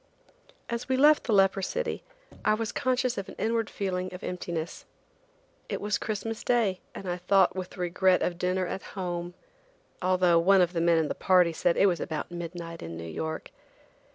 As we left the leper city I was conscious of an inward feeling of emptiness. It was Christmas day, and I thought with regret of dinner at home, although one of the men in the party said it was about midnight in New York.